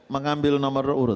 mengambil nomor urut